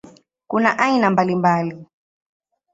Kuna aina mbalimbali.